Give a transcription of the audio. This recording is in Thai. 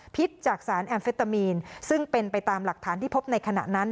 จากสารแอมเฟตามีนซึ่งเป็นไปตามหลักฐานที่พบในขณะนั้น